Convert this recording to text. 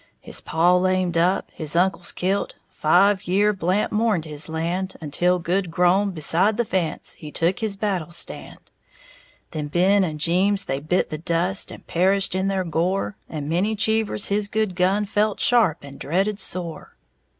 His paw lamed up, his uncles kilt, Five year' Blant mourned his land, Until, good grown, beside the fence He took his battle stand. Then Ben and Jeems they bit the dust And perished in their gore, And many Cheevers his good gun Felt sharp, and dreaded sore.